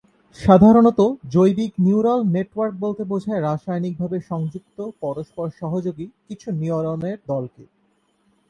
সাধারণত জৈবিক neural network বলতে বোঝায় রাসায়নিক ভাবে সংযুক্ত, পরস্পর সহযোগী কিছু নিউরন এর দলকে।